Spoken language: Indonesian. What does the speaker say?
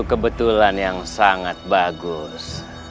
kebetulan yang sangat bagus